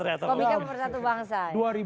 komika pemersatu bangsa